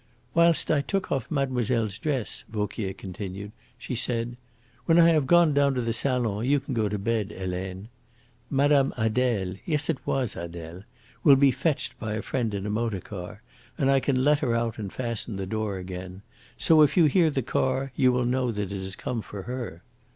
"Whilst I took off mademoiselle's dress," Vauquier continued, "she said: 'When I have gone down to the salon you can go to bed, Helene. Mme. Adele' yes, it was Adele 'will be fetched by a friend in a motorcar, and I can let her out and fasten the door again. So if you hear the car you will know that it has come for her.'"